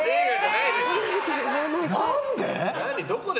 何で？